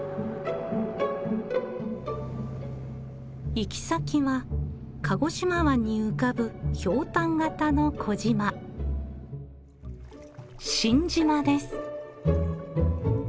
行き先は鹿児島湾に浮かぶひょうたん形の小島新島です。